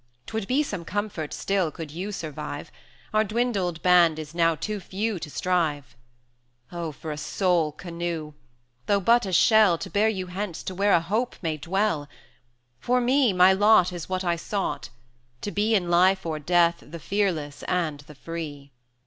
'Twould be some comfort still, could you survive; Our dwindled band is now too few to strive. 160 Oh! for a sole canoe! though but a shell, To bear you hence to where a hope may dwell! For me, my lot is what I sought; to be, In life or death, the fearless and the free."